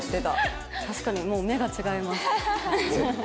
確かにもう目が違います。